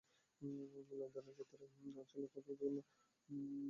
তাদের লেন-দেনের ক্ষেত্রে তারা ছিল অত্যন্ত জঘন্য।